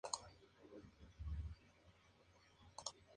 Es el sexto cantón de la provincia de Cotopaxi.